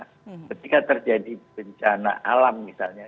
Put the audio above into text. ketika terjadi bencana alam misalnya